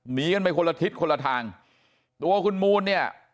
หนีกันไปคนละทิศคนละทางตัวคุณมูลเนี่ย